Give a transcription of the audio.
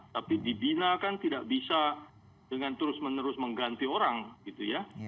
tapi dibina kan tidak bisa dengan terus menerus mengganti orang gitu ya